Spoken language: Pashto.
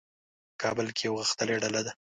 په کابل کې یوه غښتلې ډله ده.